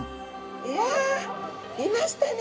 いやいましたね。